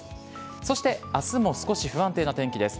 そして明日も少し不安定な天気です。